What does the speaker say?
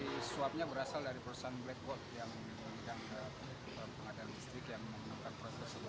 masih pasti pemberi suapnya berasal dari perusahaan blackboard yang menentang proses itu